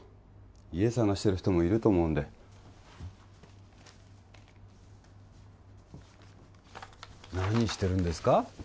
家探してる人もいると思うんで何してるんですか？